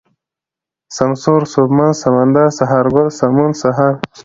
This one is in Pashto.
سمسور ، سوبمن ، سمندر ، سهارگل ، سمون ، سحر